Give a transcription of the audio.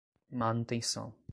manutenção